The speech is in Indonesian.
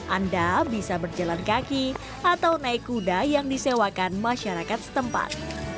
anda bisa berjalan kaki atau naik kuda yang disewakan masyarakat setempat